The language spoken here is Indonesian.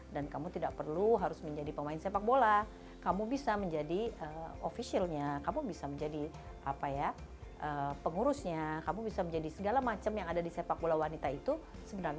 dan kamu tidak perlu harus menjadi pemain sepak bola kamu bisa menjadi officialnya kamu bisa menjadi apa ya pengurusnya kamu bisa menjadi segala macam yang ada di sepak bola wanita itu sebenarnya bisa kamu geluti